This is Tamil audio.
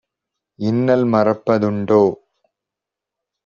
இன்னல் மறப்ப துண்டோ?"